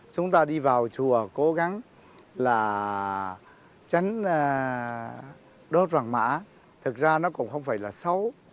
chúng ta đi vào chùa cố gắng là tránh đốt vàng mã thực ra nó cũng không phải là xấu